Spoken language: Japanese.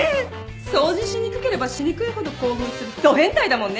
掃除しにくければしにくいほど興奮するど変態だもんね